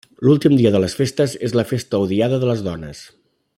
L’últim dia de les Festes és la festa o diada de les dones.